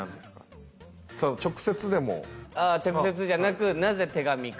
ああ直接じゃなくなぜ手紙か？